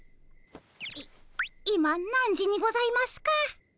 い今何時にございますか？